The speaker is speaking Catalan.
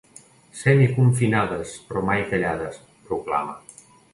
“Semiconfinades, però mai callades”, proclama.